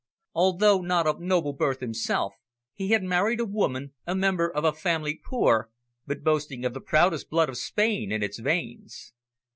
Although not of noble birth himself, he had married a woman, a member of a family poor but boasting of the proudest blood of Spain in its veins.